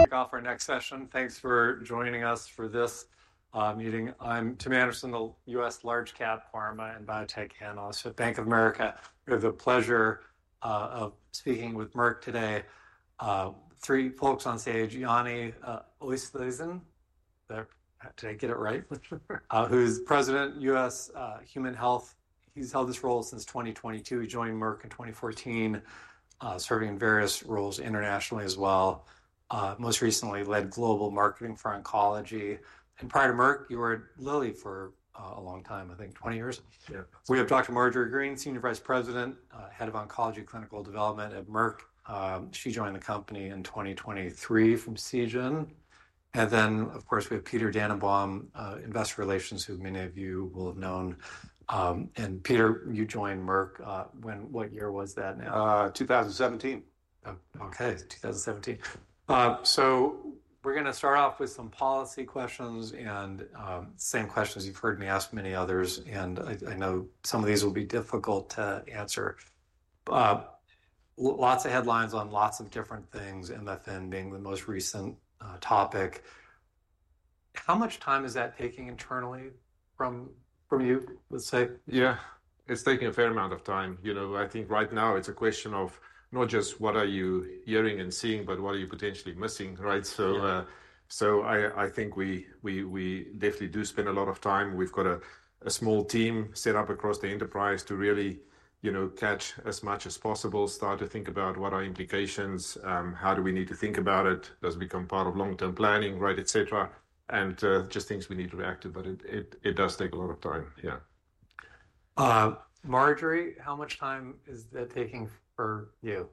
our next session. Thanks for joining us for this meeting. I'm Tim Anderson, the U.S. Large-Cap Pharma and Biotech Analyst with Bank of America. We have the pleasure of speaking with Merck today. Three folks on stage, Jannie Oosthuizen, did I get it right? Who's President of U.S. Human Health. He's held this role since 2022. He joined Merck in 2014, serving in various roles internationally as well. Most recently, led global marketing for oncology. Prior to Merck, you were at Lilly for a long time, I think 20 years. Yeah. We have Dr. Marjorie Green, Senior Vice President, Head of Oncology Clinical Development at Merck. She joined the company in 2023 from Seagen. Of course, we have Peter Dannenbaum, Investor Relations, who many of you will have known. Peter, you joined Merck, what year was that now? 2017. Okay, 2017. We're going to start off with some policy questions, and same questions you've heard me ask many others. I know some of these will be difficult to answer. Lots of headlines on lots of different things, MFN being the most recent topic. How much time is that taking internally from you, let's say? Yeah, it's taking a fair amount of time. You know, I think right now, it's a question of not just what are you hearing and seeing, but what are you potentially missing, right? I think we definitely do spend a lot of time. We've got a small team set up across the enterprise to really catch as much as possible, start to think about, what are implications, how do we need to think about it, does it become part of long-term planning, right, etc? Just things we need to react to. It does take a lot of time, yeah. Marjorie, how much time is that taking for you?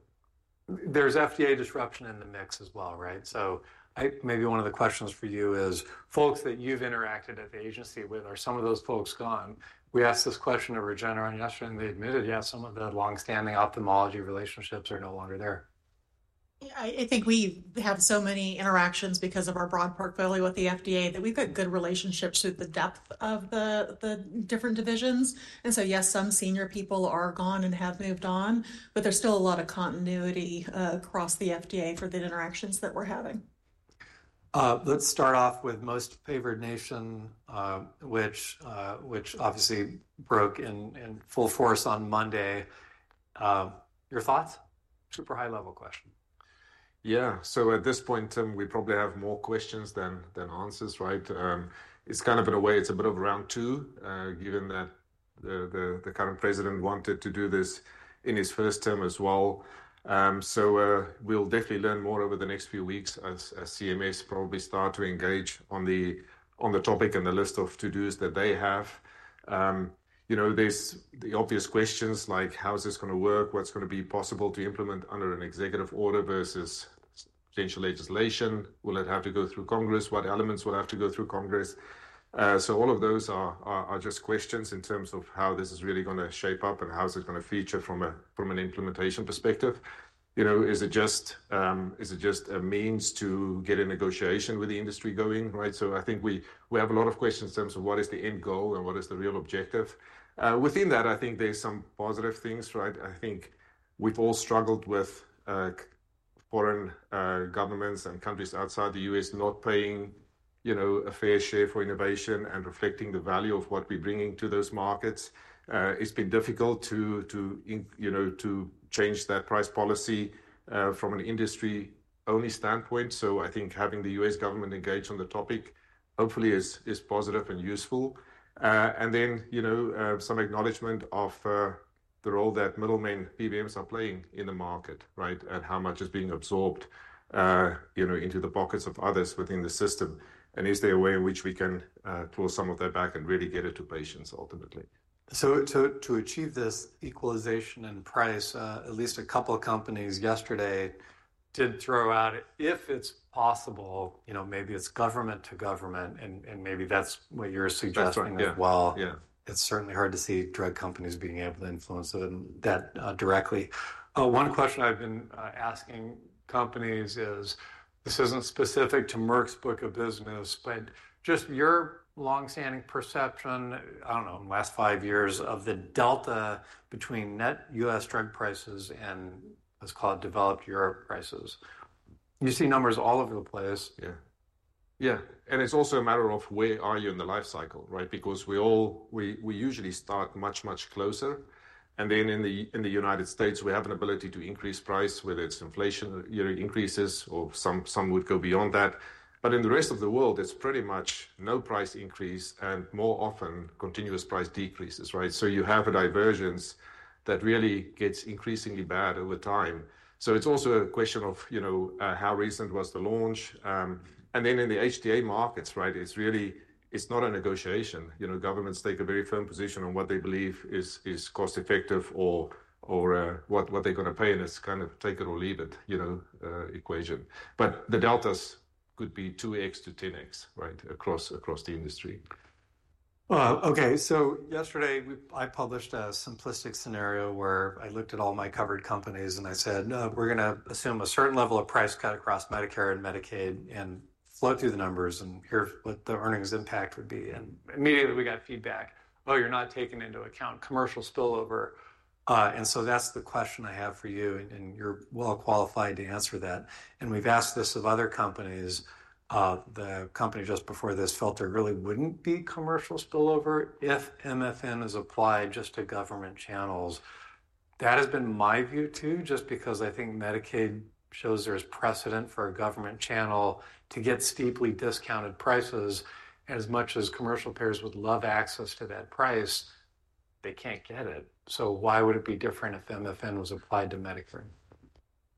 There's FDA disruption in the mix as well, right? Maybe one of the questions for you is, folks that you've interacted at the agency with, are some of those folks gone? We asked this question to Regeneron yesterday, and they admitted, yeah, some of the long-standing ophthalmology relationships are no longer there. Yeah, I think we have so many interactions because of our broad portfolio at the FDA, that we've got good relationships through the depth of the different divisions. Yes, some senior people are gone and have moved on, but there's still a lot of continuity across the FDA for the interactions that we're having. Let's start off with Most-Favored Nation, which obviously broke in full force on Monday. Your thoughts? Super high-level question. Yeah. At this point, Tim, we probably have more questions than answers, right? It's kind of, in a way, it's a bit of round two, given that the current president wanted to do this in his first term as well. We'll definitely learn more over the next few weeks as CMAs probably start to engage on the topic, and the list of to-dos that they have. You know, there's the obvious questions like, how's this going to work? What's going to be possible to implement under an executive order versus potential legislation? Will it have to go through Congress? What elements will have to go through Congress? All of those are just questions in terms of how this is really going to shape up, and how's it going to feature from an implementation perspective? You know, is it just a means to get a negotiation with the industry going, right? I think we have a lot of questions in terms of, what is the end goal and what is the real objective? Within that, I think there's some positive things, right? I think we've all struggled with foreign governments, and countries outside the U.S. not paying a fair share for innovation and reflecting the value of what we're bringing to those markets. It's been difficult to change that price policy from an industry-only standpoint. I think having the U.S. government engage on the topic, hopefully is positive and useful. You know, some acknowledgment of the role that middlemen PBMs are playing in the market, right? How much is being absorbed into the pockets of others within the system, is there a way in which we can clause some of that back and really get it to patients ultimately? To achieve this equalization in price, at least a couple of companies yesterday did throw out, if it's possible, you know, maybe it's government to government, and maybe that's what you're suggesting as well, it's certainly hard to see drug companies being able to influence that directly. One question I've been asking companies is, this isn't specific to Merck's book of business, but just your long-standing perception, I don't know, in the last five years of the delta between net U.S. drug prices and let's call it developed Europe prices, you see numbers all over the place. Yeah, and it's also a matter of, where are you in the life cycle, right? We usually start much, much closer. In the U.S., we have an ability to increase price, whether it's inflation increases or some would go beyond that. In the rest of the world, it's pretty much no price increase and more often, continuous price decreases, right? You have a divergence that really gets increasingly bad over time. It's also a question of, you know, how recent was the launch? In the [HTA] markets, right, it's not a negotiation. You know, governments take a very firm position on what they believe is cost-effective or what they're going to pay in this kind of take it or leave it, you know, equation. The deltas could be 2x-10x, right, across the industry. Okay. Yesterday, I published a simplistic scenario where I looked at all my covered companies and I said, "No, we're going to assume a certain level of price cut across Medicare and Medicaid, and float through the numbers and hear what the earnings impact would be." Immediately, we got feedback, "Oh, you're not taking into account commercial spillover." That is the question I have for you, and you're well qualified to answer that. We've asked this of other companies. The company just before this felt there really would not be commercial spillover if MFN is applied just to government channels. That has been my view too, just because I think Medicaid shows there is precedent for a government channel to get steeply discounted prices. As much as commercial payers would love access to that price, they cannot get it. Why would it be different if MFN was applied to Medicare?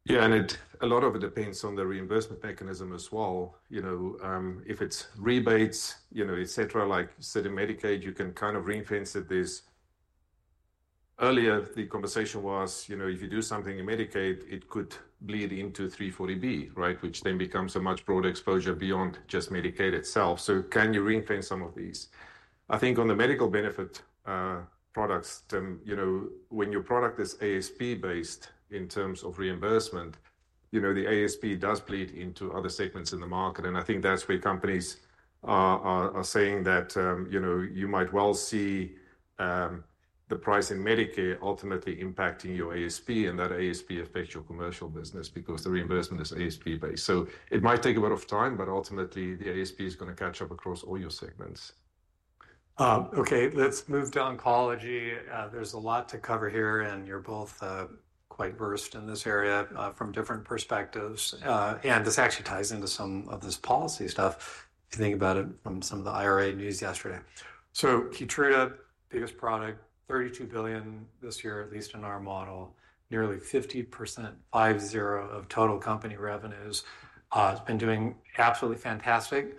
Yeah, and a lot of it depends on the reimbursement mechanism as well. You know, if it's rebates, you know, etc, like said in Medicaid, you can kind of [reinvent] this. Earlier, the conversation was, you know, if you do something in Medicaid, it could bleed into 340B, right, which then becomes a much broader exposure beyond just Medicaid itself. Can you reinvent some of these? I think on the medical benefit products, Tim, you know, when your product is ASP-based in terms of reimbursement, you know, the ASP does bleed into other segments in the market. I think that's where companies are saying that, you know, you might well see the price in Medicare ultimately impacting your ASP, and that ASP affects your commercial business because the reimbursement is ASP-based. It might take a bit of time, but ultimately the ASP is going to catch up across all your segments. Okay, let's move to oncology. There's a lot to cover here, and you're both quite versed in this area from different perspectives. This actually ties into some of this policy stuff, if you think about it from some of the IRA news yesterday. Keytruda, biggest product, $32 billion this year, at least in our model, nearly 50%, five, zero of total company revenues. It's been doing absolutely fantastic.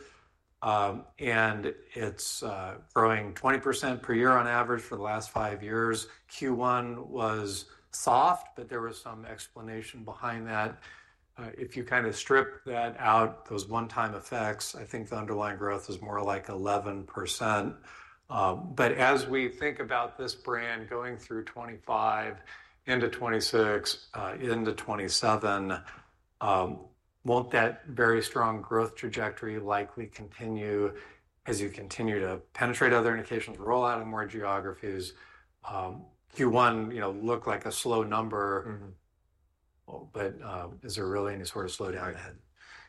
It's growing 20% per year on average for the last five years. Q1 was soft, but there was some explanation behind that. If you kind of strip that out, those one-time effects, I think the underlying growth is more like 11%. As we think about this brand going through 2025 into 2026, into 2027, won't that very strong growth trajectory likely continue as you continue to penetrate other indications, roll out in more geographies? Q1, you know, looked like a slow number, but is there really any sort of slowdown ahead?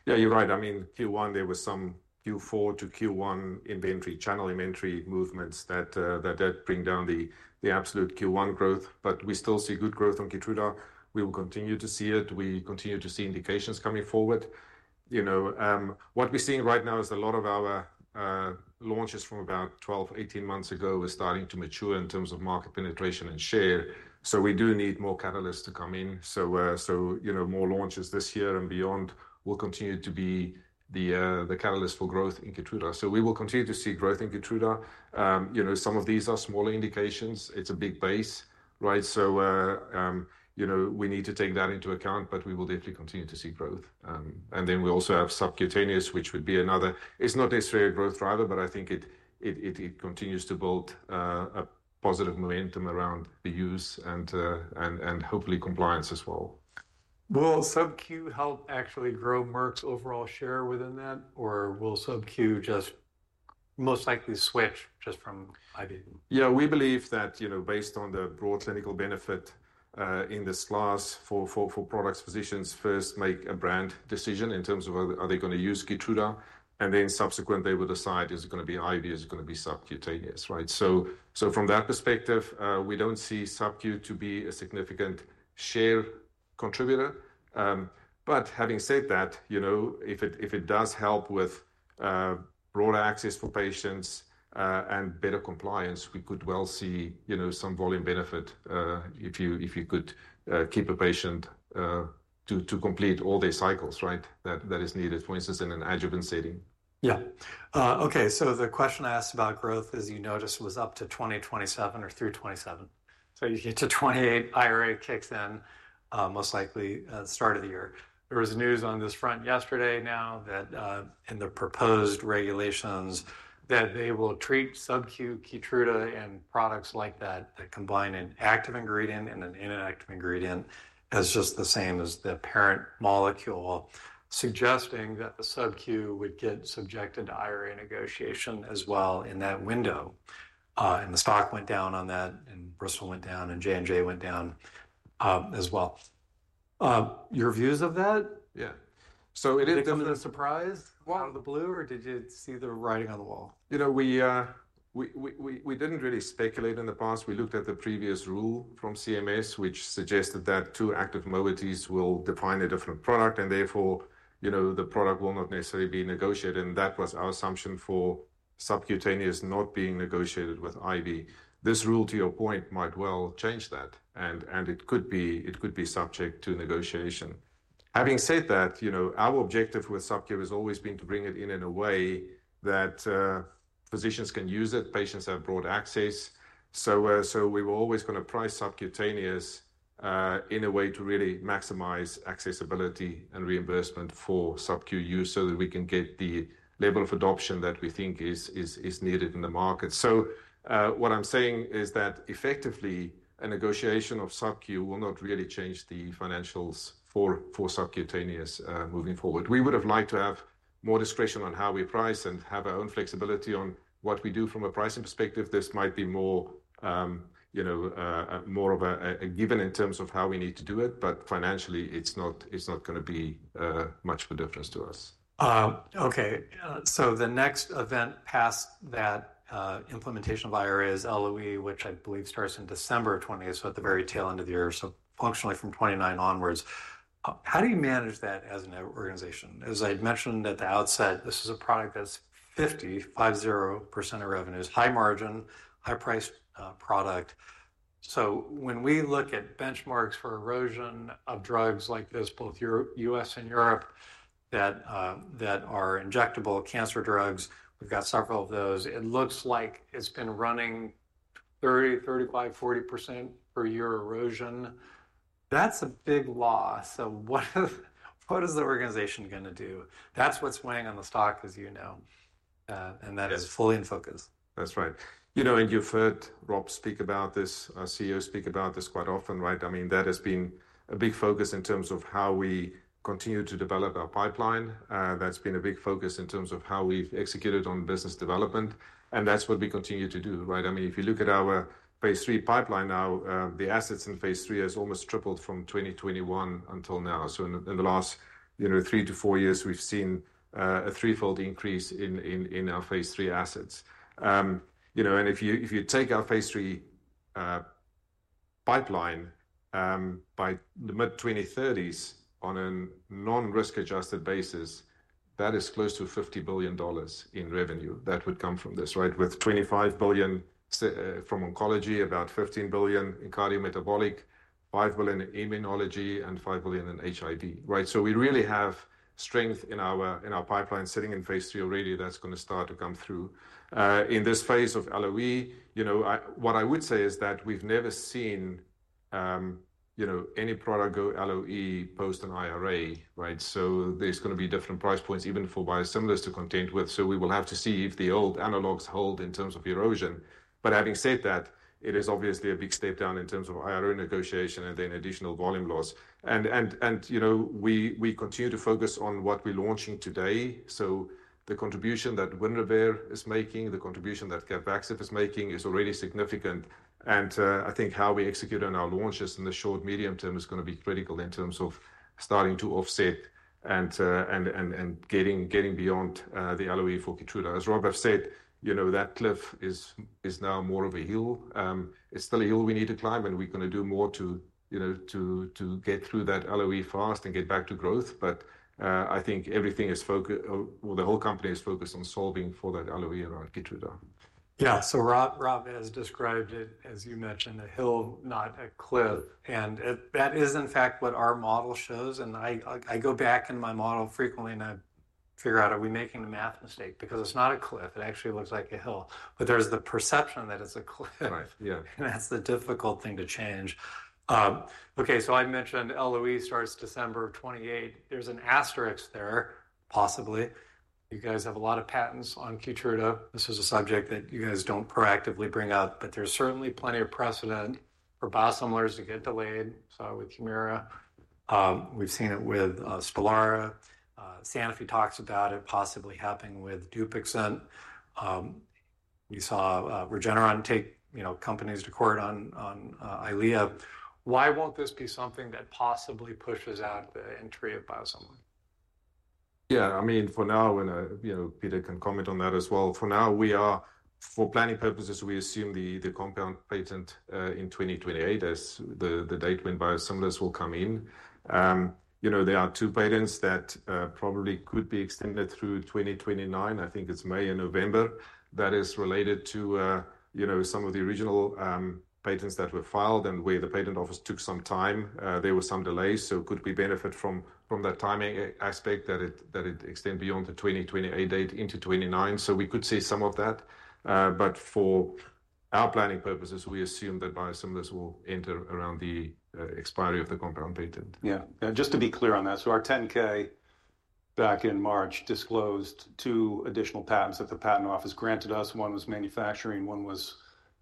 Yeah, you're right. I mean, Q1, there were some Q4-Q1 channel inventory movements that did bring down the absolute Q1 growth, but we still see good growth on Keytruda. We will continue to see it. We continue to see indications coming forward. You know, what we're seeing right now is a lot of our launches from about 12, 18 months ago are starting to mature in terms of market penetration and share, so we do need more catalysts to come in. You know, more launches this year and beyond will continue to be the catalyst for growth in Keytruda. We will continue to see growth in Keytruda. You know, some of these are smaller indications. It's a big base, right? You know, we need to take that into account, but we will definitely continue to see growth. We also have subcutaneous, which would be another. It's not necessarily a growth driver, but I think it continues to build a positive momentum around the use and hopefully compliance as well. Will SubQ help actually grow Merck's overall share within that, or will SubQ just most likely switch just from IV? Yeah, we believe that, you know, based on the broad clinical benefit in this class for products, physicians first make a brand decision in terms of, are they going to use Keytruda? Subsequently, they will decide, is it going to be IV, is it going to be subcutaneous, right? From that perspective, we do not see SubQ to be a significant share contributor. Having said that, you know, if it does help with broader access for patients and better compliance, we could well see, you know, some volume benefit if you could keep a patient to complete all their cycles, right, that is needed, for instance, in an adjuvant setting. Yeah, Okay. The question I asked about growth, as you noticed, was up to 2027 or through 2027. You get to 2028, IRA kicks in most likely at the start of the year. There was news on this front yesterday now, that in the proposed regulations, they will treat SubQ, Keytruda, and products like that that combine an active ingredient and an inactive ingredient as just the same as the parent molecule, suggesting that the SubQ would get subjected to IRA negotiation as well in that window. The stock went down on that, and Bristol went down and J&J went down as well. Your views of that? Yeah. a surprise out of the blue, or did you see the writing on the wall? You know, we did not really speculate in the past. We looked at the previous rule from CMS, which suggested that two active modalities will define a different produc and therefore, you know, the product will not necessarily be negotiated. That was our assumption for subcutaneous not being negotiated with IV. This rule, to your point, might well change that and it could be subject to negotiation. Having said that, you know, our objective with SubQ has always been to bring it in in a way that physicians can use it, patients have broad access. We were always going to price subcutaneous in a way, to really maximize accessibility and reimbursement for SubQ use, so that we can get the level of adoption that we think is needed in the market. What I'm saying is that effectively, a negotiation of SubQ will not really change the financials for subcutaneous moving forward. We would have liked to have more discretion on how we price, and have our own flexibility on what we do from a pricing perspective. This might be, you know, more of a given in terms of how we need to do it, but financially, it's not going to be much of a difference to us. Okay. The next event past that implementation of IRA is LOE, which I believe starts in December 2028, so at the very tail end of the year, so functionally from 2029 onwards. How do you manage that as an organization? As I mentioned at the outset, this is a product that's 50% of revenues, high-margin, high-priced product. When we look at benchmarks for erosion of drugs like this, both U.S. and Europe, that are injectable cancer drugs, we've got several of those. It looks like it's been running 30%, 35%, 40% per year erosion. That's a big loss. What is the organization going to do? That's what's weighing on the stock, as you know and that is fully in focus. That's right. You know, and you've heard Rob speak about this, our CEO speak about this quite often, right? I mean, that has been a big focus in terms of how we continue to develop our pipeline. That's been a big focus in terms of how we've executed on business development. That's what we continue to do, right? I mean, if you look at our phase III pipeline now, the assets in phase III has almost tripled from 2021 until now. In the last, you know, three to four years, we've seen a threefold increase in our phase III assets. You know, and if you take our phase III pipeline by the mid-2030s on a non-risk-adjusted basis, that is close to $50 billion in revenue that would come from this, right? With $25 billion from oncology, about $15 billion in cardiometabolic, $5 billion in immunology and $5 billion in HIV, right? We really have strength in our pipeline sitting in phase III already, that's going to start to come through. In this phase of LOE, you know, what I would say is that, we've never seen, you know, any product go LOE post an IRA, right? There are going to be different price points even for biosimilars to contend with. We will have to see if the old analogs hold in terms of erosion. Having said that, it is obviously a big step down in terms of IRA negotiation and then additional volume loss. You know, we continue to focus on what we're launching today. The contribution that Winrevair is making, the contribution that CAPVAXIVE is making is already significant. I think how we execute on our launches in the short, medium-term is going to be critical in terms of starting to offset and getting beyond the LOE for Keytruda. As Rob has said, you know, that cliff is now more of a hill. It's still a hill we need to climb, and we're going to do more, you know, to get through that LOE fast and get back to growth. I think the whole company is focused on solving for that LOE around Keytruda. Yeah. Rob has described it, as you mentioned, a hill, not a cliff. That is in fact, what our model shows. I go back in my model frequently and I figure out, are we making a math mistake? It's not a cliff. It actually looks like a hill. There's the perception that it's a cliff. Right, yeah. That's the difficult thing to change. Okay, I mentioned LOE starts December of 2028. There's an asterisk there, possibly. You guys have a lot of patents on Keytruda. This is a subject that you guys do not proactively bring up, but there's certainly plenty of precedent for biosimilars to get delayed. We saw it with Humira. We've seen it with STELARA. Sanofi talks about it possibly helping with Dupixent. We saw Regeneron take, you know, companies to court on Eylea. Why won't this be something that possibly pushes out the entry of biosimilars? Yeah. I mean, and Peter can comment on that as well, for now, for planning purposes, we assume the compound patent in 2028 as the date when biosimilars will come in. You know, there are two patents that probably could be extended through 2029. I think it's May and November that is related to, you know, some of the original patents that were filed and where the patent office took some time. There were some delays, so it could be a benefit from that timing aspect, that it extended beyond the 2028 date into 2029. We could see some of that. For our planning purposes, we assume that biosimilars will enter around the expiry of the compound patent. Yeah. Just to be clear on that. Our 10-K back in March disclosed two additional patents that the patent office granted us. One was manufacturing. One was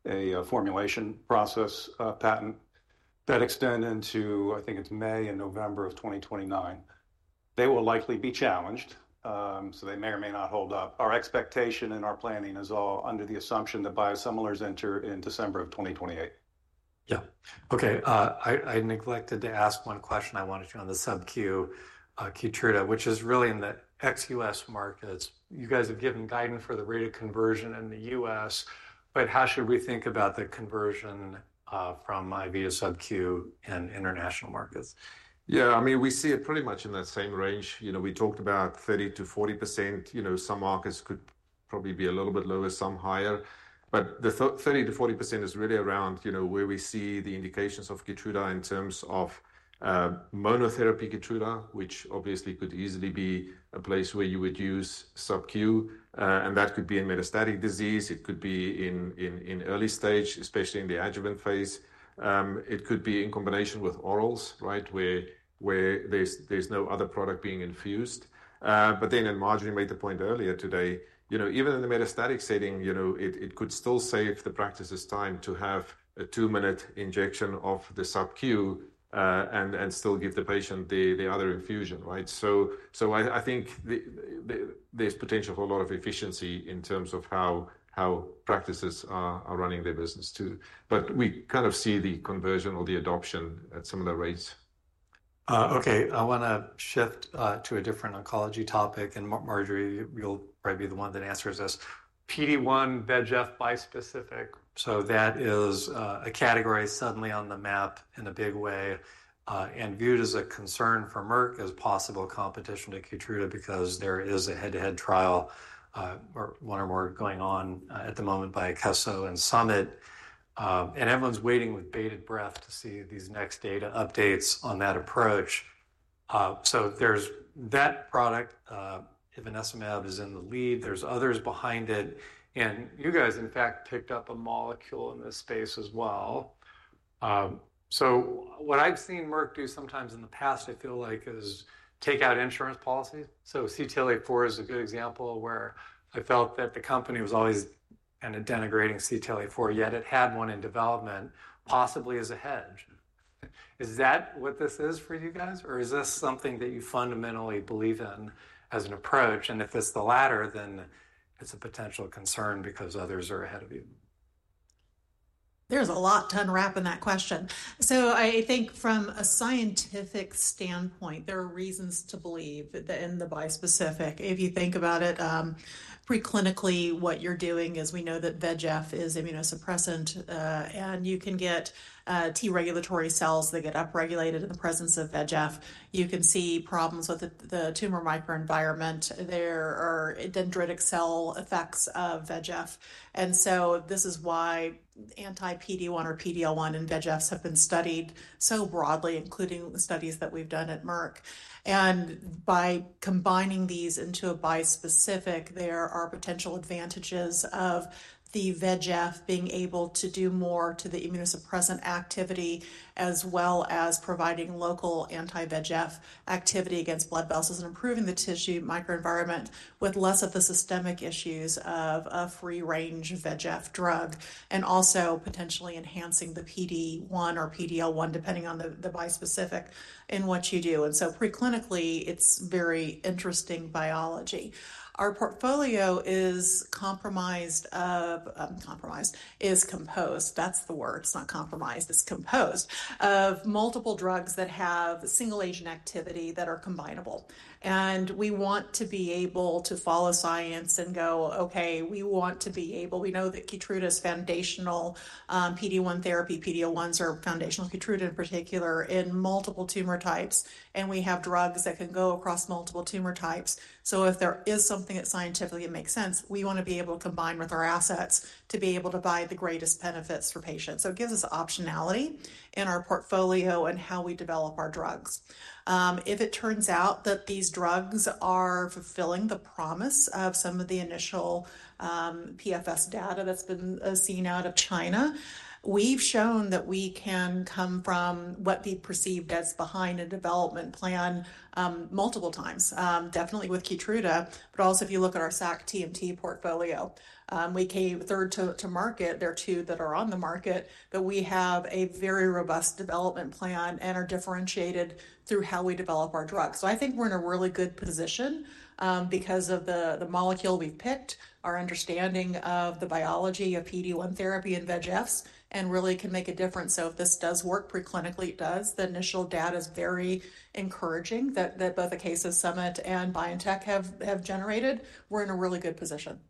a formulation process patent that extended into, I think it's May and November of 2029. They will likely be challenged, so they may or may not hold up. Our expectation and our planning is all under the assumption that biosimilars enter in December of 2028. Yeah, okay. I neglected to ask one question I wanted to on the SubQ Keytruda, which is really in the ex-U.S. markets. You guys have given guidance for the rate of conversion in the U.S., but how should we think about the conversion from IV to subQ in international markets? Yeah, I mean, we see it pretty much in that same range. You know, we talked about 30%-40%. You know, some markets could probably be a little bit lower, some higher. The 30-40% is really around, you know, where we see the indications of Keytruda in terms of monotherapy Keytruda, which obviously could easily be a place where you would use subQ and that could be in metastatic disease. It could be in early stage, especially in the adjuvant phase. It could be in combination with orals, right, where there's no other product being infused. Marjorie made the point earlier today, you know, even in the metastatic setting, you know, it could still save the practice's time to have a two-minute injection of the subQ, and still give the patient the other infusion, right? I think there's potential for a lot of efficiency in terms of how practices are running their business too. We kind of see the conversion or the adoption at similar rates. Okay. I want to shift to a different oncology topic, and Marjorie, you'll probably be the one that answers this. PD-1, VEGF, bispecific. That is a category suddenly on the map in a big way, and viewed as a concern for Merck as possible competition to Keytruda because there is a head-to-head trial or one or more going on at the moment by Akeso and Summit. Everyone's waiting with bated breath to see these next data updates on that approach. There is that product. Ivonescimab is in the lead. There are others behind it. You guys, in fact, picked up a molecule in this space as well. What I've seen Merck do sometimes in the past, I feel like, is take out insurance policies. CTLA-4 is a good example where I felt that the company was always kind of denigrating CTLA-4, yet it had one in development, possibly as a hedge. Is that what this is for you guys, or is this something that you fundamentally believe in as an approach? If it's the latter, then it's a potential concern because others are ahead of you. There's a lot to unwrap in that question. I think from a scientific standpoint, there are reasons to believe that in the bispecific. If you think about it, preclinically, what you're doing is, we know that VEGF is immunosuppressant, and you can get T regulatory cells that get upregulated in the presence of VEGF. You can see problems with the tumor microenvironment. There are dendritic cell effects of VEGF. This is why anti-PD-1 or PD-L1 and VEGFs have been studied so broadly, including the studies that we've done at Merck. By combining these into a bispecific, there are potential advantages of the VEGF being able to do more to the immunosuppressant activity, as well as providing local anti-VEGF activity against blood vessels and improving the tissue microenvironment with less of the systemic issues of a free-range VEGF drug, and also potentially enhancing the PD-1 or PD-L1, depending on the bispecific in what you do. Preclinically, it's very interesting biology. Our portfolio is composed of multiple drugs that have single-agent activity that are combinable. We want to be able to follow science and go, okay, we know that Keytruda's foundational PD-1 therapy, PD-L1s are foundational, Keytruda in particular in multiple tumor types. We have drugs that can go across multiple tumor types. If there is something that scientifically makes sense, we want to be able to combine with our assets, to be able to buy the greatest benefits for patients. It gives us optionality in our portfolio, and how we develop our drugs. If it turns out that these drugs are fulfilling the promise of some of the initial PFS data that has been seen out of China, we have shown that we can come from what we perceive as behind a development plan multiple times, definitely with Keytruda. Also, if you look at our SAC TMT portfolio, we came third to market. There are two that are on the market, but we have a very robust development plan, and are differentiated through how we develop our drugs. I think we're in a really good position because of the molecule we've picked, our understanding of the biology of PD-1 therapy in VEGFs and really can make a difference. If this does work preclinically, it does. The initial data is very encouraging, that both Akeso Summit and BioNTech have generated. We're in a really good position.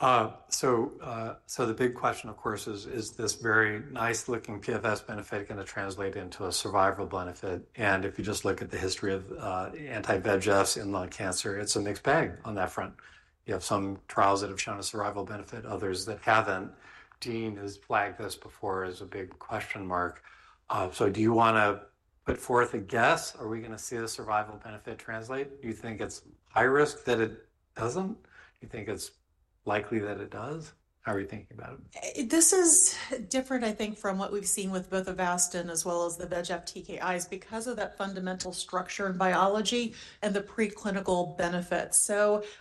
The big question of course is, is this very nice-looking PFS benefit going to translate into a survival benefit? If you just look at the history of anti-VEGFs in lung cancer, it's a mixed bag on that front. You have some trials that have shown a survival benefit, others that have not. [Dean] has flagged this before as a big question mark. Do you want to put forth a guess? Are we going to see a survival benefit translate? Do you think it's high risk that it does not? Do you think it's likely that it does? How are you thinking about it? This is different I think from what we've seen with both Avastin, as well as the VEGF TKIs, because of that fundamental structure and biology and the preclinical benefits.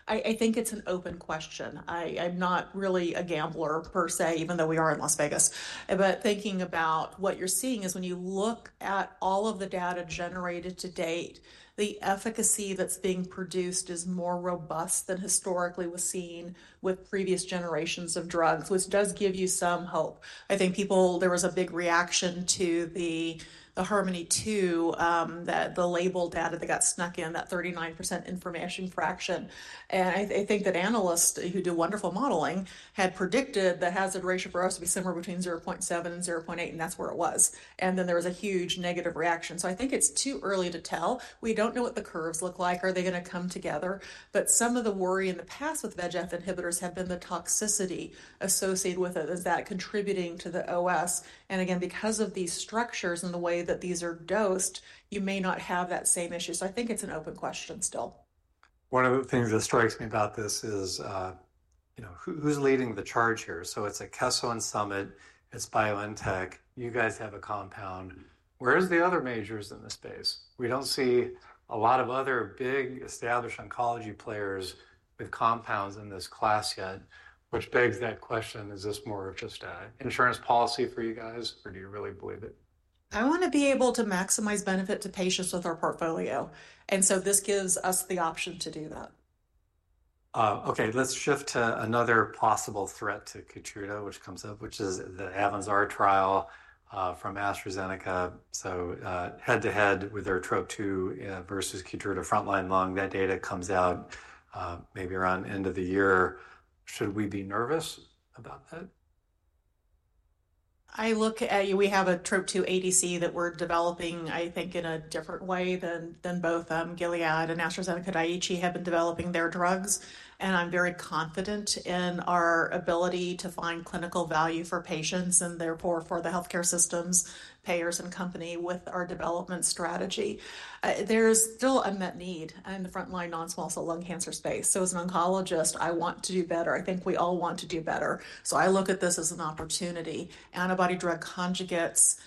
I think it's an open question. I'm not really a gambler per se, even though we are in Las Vegas. Thinking about what you're seeing is, when you look at all of the data generated to date, the efficacy that's being produced is more robust than historically was seen with previous generations of drugs, which does give you some hope. I think there was a big reaction to the Harmony 2, that the label data that got snuck in, that 39% information fraction. I think that analysts who do wonderful modeling had predicted the hazard ratio for us to be somewhere between 0.7 and 0.8, and that's where it was. There was a huge negative reaction, so I think it's too early to tell. We don't know what the curves look like. Are they going to come together? Some of the worry in the past with VEGF inhibitors has been the toxicity associated with it. Is that contributing to the OS? Again, because of these structures and the way that these are dosed, you may not have that same issue. I think it's an open question still. One of the things that strikes me about this is, you know, who's leading the charge here? It is Akeso and Summit. It is BioNTech. You guys have a compound. Where are the other majors in this space? We do not see a lot of other big established oncology players with compounds in this class yet, which begs that question. Is this more of just an insurance policy for you guys, or do you really believe it? I want to be able to maximize benefit to patients with our portfolio. This gives us the option to do that. Okay. Let's shift to another possible threat to Keytruda, which comes up, which is the AVANZAR trial from AstraZeneca. Head-to-head with their Trop-2 versus Keytruda frontline [lung]. That data comes out maybe around the end of the year. Should we be nervous about that? I look at, we have a Trop-2 ADC that we're developing, I think in a different way than both Gilead and AstraZeneca. Daiichi have been developing their drugs. I'm very confident in our ability to find clinical value for patients, and therefore for the healthcare systems, payers, and company with our development strategy. There's still unmet need in the frontline non-small cell lung cancer space. As an oncologist, I want to do better. I think we all want to do better. I look at this as an opportunity. Antibody drug conjugates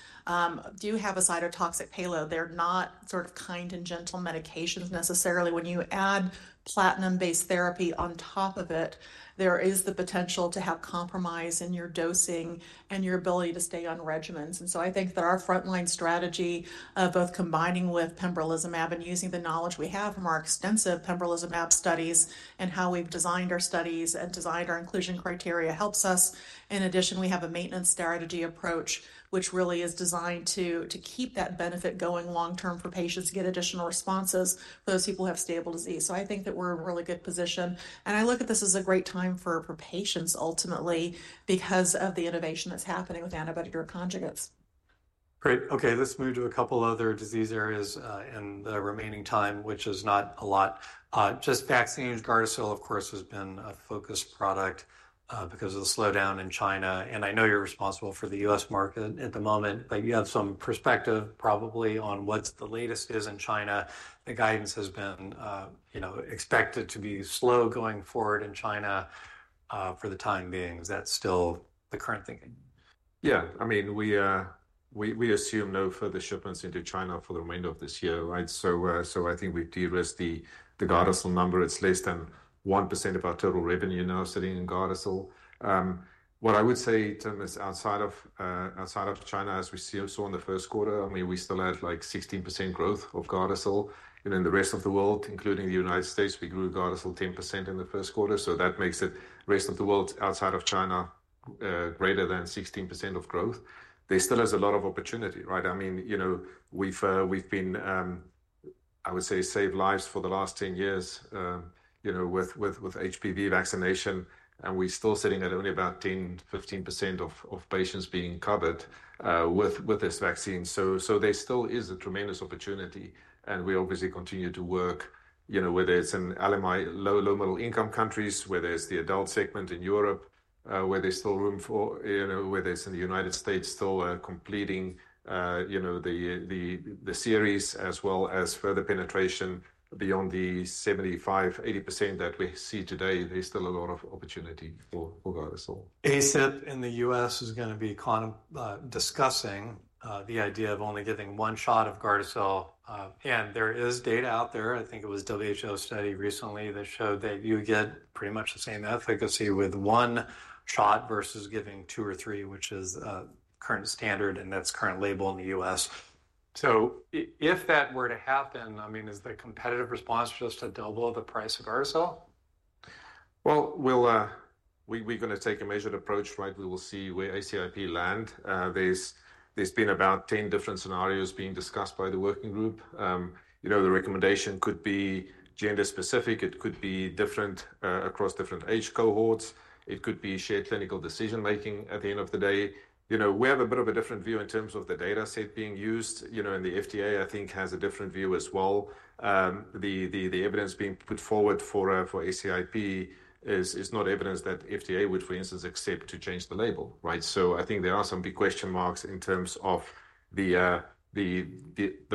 do have a cytotoxic payload. They're not sort of kind and gentle medications necessarily. When you add platinum-based therapy on top of it, there is the potential to have compromise in your dosing and your ability to stay on regimens. I think that our frontline strategy, both combining with Pembrolizumab and using the knowledge we have from our extensive Pembrolizumab studies, and how we've designed our studies and designed our inclusion criteria helps us. In addition, we have a maintenance strategy approach, which really is designed to keep that benefit going long-term for patients to get additional responses for those people who have stable disease. I think that we're in a really good position. I look at this as a great time for patients ultimately, because of the innovation that's happening with antibody drug conjugates. Great, okay. Let's move to a couple of other disease areas in the remaining time, which is not a lot. Just vaccines, GARDASIL, of course has been a focus product because of the slowdown in China. I know you're responsible for the U.S. market at the moment, but you have some perspective probably on what the latest is in China. The guidance has been, you know, expected to be slow going forward in China for the time being. Is that still the current thinking? Yeah. I mean, we assume no further shipments into China for the remainder of this year, right? I think we've de-risked the GARDASIL number. It's less than 1% of our total revenue now sitting in GARDASIL. What I would say to them is, outside of China, as we saw in the first quarter, I mean, we still had like 16% growth of GARDASIL. In the rest of the world, including the U.S., we grew GARDASIL 10% in the first quarter. That makes it rest of the world outside of China, greater than 16% of growth. There still is a lot of opportunity, right? I mean, you know, we've been, I would say, saved lives for the last 10 years, you know, with HPV vaccination. We're still sitting at only about 10%-15% of patients being covered with this vaccine. There still is a tremendous opportunity. We obviously continue to work, you know, whether it's in low middle-income countries, whether it's the adult segment in Europe, whether it's in the U.S. still completing, you know, the series, as well as further penetration beyond the 75%-80% that we see today. There's still a lot of opportunity for GARDASIL. ACIP in the U.S. is going to be discussing the idea of only giving one shot of GARDASIL. There is data out there, I think it was a WHO study recently that showed that you get pretty much the same efficacy with one shot versus giving two or three, which is the current standard and that's current label in the U.S. If that were to happen, I mean, is the competitive response just to double the price of GARDASIL? We're going to take a measured approach, right? We will see where ACIP land. There's been about 10 different scenarios being discussed by the working group. You know, the recommendation could be gender-specific. It could be different across different age cohorts. It could be shared clinical decision-making at the end of the day. You know, we have a bit of a different view in terms of the data set being used. You know, and the FDA, I think has a different view as well. The evidence being put forward for ACIP is not evidence that FDA would, for instance, accept to change the label, right? I think there are some big question marks in terms of the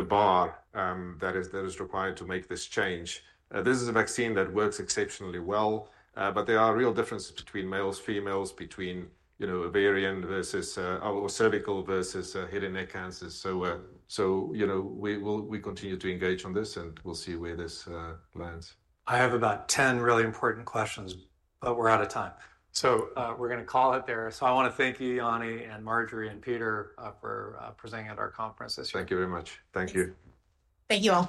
bar that is required to make this change. This is a vaccine that works exceptionally well, but there are real differences between males, females, between, you know, ovarian versus cervical, versus head and neck cancers. You know, we continue to engage on this, and we'll see where this lands. I have about 10 really important questions, but we're out of time. We're going to call it there. I want to thank you, Jannie and Marjorie, and Peter for presenting at our conference this year. Thank you very much. Thank you. Thank you all.